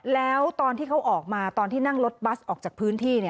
แล้วตอนที่เขาออกมาตอนที่นั่งรถบัสออกจากพื้นที่